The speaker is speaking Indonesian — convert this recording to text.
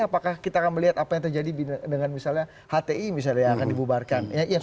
apakah kita akan melihat apa yang terjadi dengan misalnya hti misalnya yang akan dibubarkan